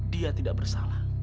dia tidak bersalah